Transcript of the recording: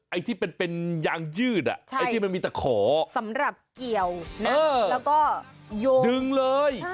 ไอ้ที่เป็นยางยืดไอ้ที่มันมีแต่ขอสำหรับเกี่ยวนะแล้วก็ดึงเลย